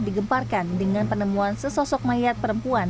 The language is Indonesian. digemparkan dengan penemuan sesosok mayat perempuan